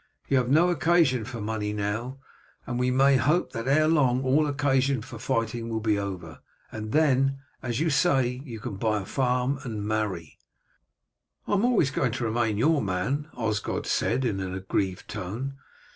You have no occasion for money now, and we may hope that ere long all occasion for fighting will be over, and then, as you say, you can buy a farm and marry." "I am going always to remain your man," Osgod said in an aggrieved tone.